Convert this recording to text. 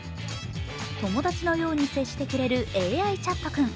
友達のように接してくれるＡＩチャットくん。